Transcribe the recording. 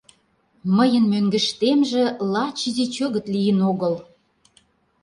Мыйын мӧҥгыштемже лач изи чӧгыт лийын огыл...